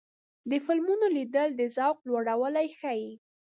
د فلمونو لیدل د ذوق لوړوالی ښيي.